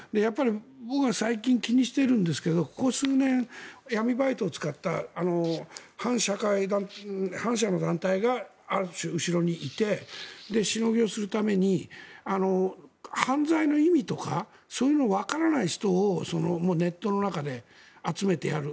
僕は最近気にしてるんですがここ数年、闇バイトを使った反社の団体がある種、後ろにいてしのぎをするために犯罪の意味とかそういうのをわからない人をネットの中で集めてやる。